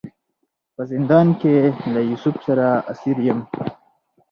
په زندان کې له یوسف سره اسیر یم.